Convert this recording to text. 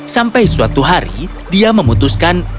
sampai suatu hari dia memutuskan